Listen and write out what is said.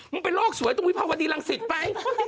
มึงเป็นโลกสวยตรงวิภาพวดีรังศิษย์ไป